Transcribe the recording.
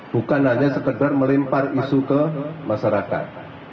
bukan hanya sekedar melempar isu ke masyarakat